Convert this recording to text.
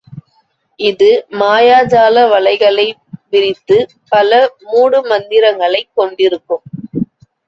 இது மாயாஜால வலைகளை விரித்துப் பல மூடுமந்திரங்களைக் கொண்டிருக்கும்.